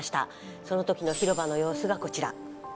その時の広場の様子がこちら。